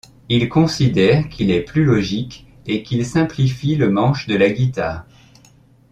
Il considère qu'il est plus logique et qu'il simplifie le manche de la guitare.